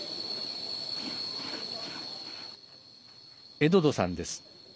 エドドさんです。